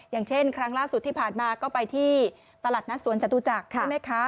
อย่างเช่นครั้งล่าสุดที่ผ่านมาก็ไปที่ตลาดนัดสวนจตุจักรใช่ไหมคะ